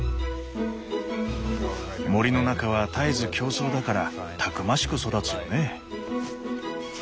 森の中は絶えず競争だからたくましく育つよね。